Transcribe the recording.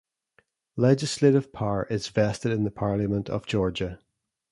Legislative power is vested in the Parliament of Georgia.